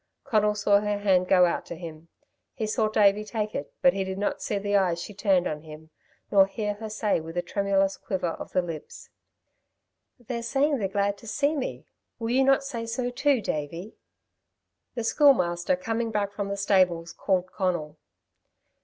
Conal saw her hand go out to him. He saw Davey take it, but he did not see the eyes she turned on him, nor hear her say with a tremulous quiver of the lips: "They're saying they're glad to see me! Will you not say so too, Davey?" The Schoolmaster, coming back from the stables, called Conal.